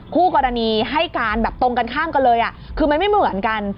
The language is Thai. คู่กรณีให้การแบบตรงกันข้ามกันเลยคือมันไม่เหมือนกัน